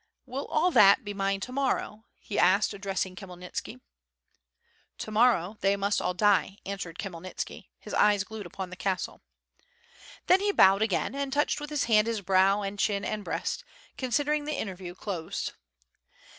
"Will all that be mine to morrow?" asked he addressing Khmyelnitski. "To morrow, they must all die," answered Khmyelnitski, his eyes glued upon the castle. Then he bowed again, and touched with his hand his brow and chin and breast, considering the interview closed.